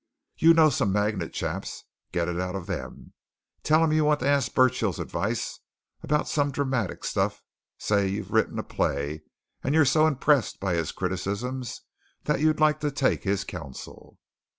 You know some Magnet chaps get it out of them. Tell 'em you want to ask Burchill's advice about some dramatic stuff say you've written a play and you're so impressed by his criticisms that you'd like to take his counsel."